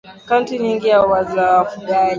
Kaunti nyingi za wafugaji